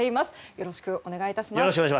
よろしくお願いします。